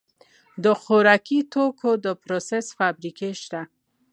د خوراکي توکو پروسس فابریکې شته